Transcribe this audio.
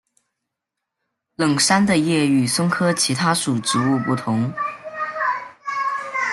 冷杉的叶与松科其他属植物不同。